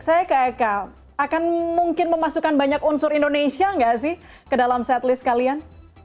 saya kaya akan mungkin memasukkan banyak unsur indonesia gak sih ke dalam set list kalian